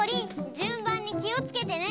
じゅんばんにきをつけてね！